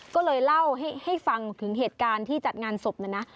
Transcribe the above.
ก็เลยเล่าให้ฟังถึงเหตุการณ์ที่จัดงานศพนะนะ